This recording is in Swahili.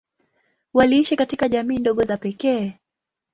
Waliishi katika jamii ndogo za pekee.